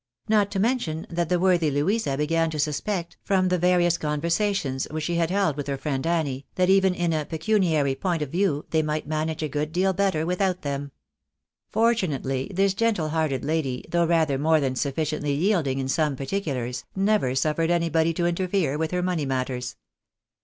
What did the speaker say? Not to mention that the worthy Louisa began to susj)ect, from the various conversations which she had held with her friend Annie, that, even in a pecuniary point of view, they might manage a good deal better without them. Fortunately, this gentle hearted lady, though rather more than sufficiently yielding in some particulars, never suffered anybody to interfere with her money matters.